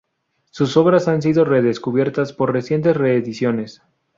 Sus obras han sido redescubiertas por recientes reediciones.